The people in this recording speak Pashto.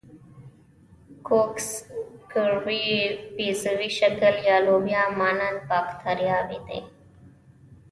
کوکس کروي، بیضوي شکل یا لوبیا مانند باکتریاوې دي.